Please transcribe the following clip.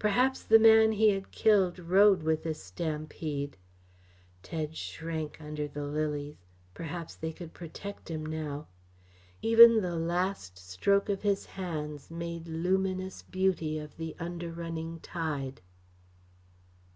Perhaps the man he had killed rode with this stampede? Tedge shrank under the lilies perhaps they could protect him now? Even the last stroke of his hands made luminous beauty of the under running tide.